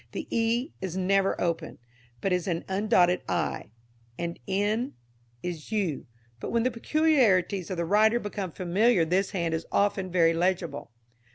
The e is never open, but is an undotted i, and n is u, but when the peculiarities of the writer become familiar this hand is often very legible.